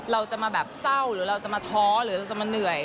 เราจะมาแบบเศร้าหรือเราจะมาท้อหรือเราจะมาเหนื่อย